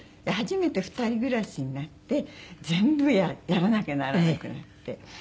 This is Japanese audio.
で初めて２人暮らしになって全部やらなきゃならなくなって。